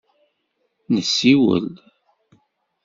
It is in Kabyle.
Nessiwel.